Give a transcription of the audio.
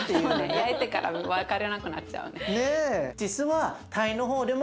焼いたから分からなくなっちゃうね。